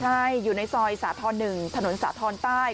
ใช่อยู่ในซอยสาธรณ์๑ถนนสาธรณ์ใต้